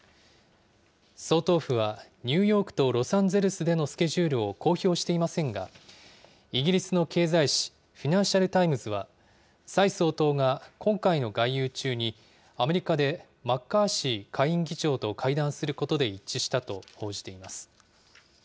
総統府はニューヨークとロサンゼルスでのスケジュールを公表していませんが、イギリスの経済紙、フィナンシャル・タイムズは蔡総統が今回の外遊中に、アメリカでマッカーシー下院議長と会談することで一致したと報じています。